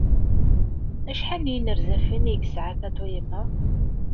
Acḥal n yinerzafen ay yesɛa Tatoeba?